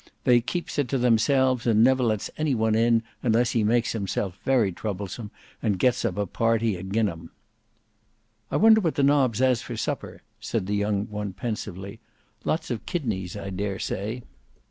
They keeps it to themselves, and never lets any one in unless he makes himself very troublesome and gets up a party agin 'em." "I wonder what the nobs has for supper," said the young one pensively. "Lots of kidneys I dare say."